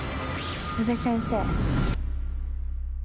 宇部先生。